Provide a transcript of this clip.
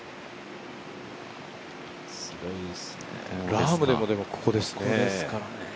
ラームでもここですね。